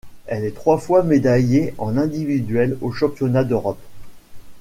Elle est trois fois médaillée en individuel aux Championnats d'Europe.